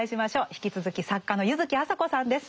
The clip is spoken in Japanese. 引き続き作家の柚木麻子さんです。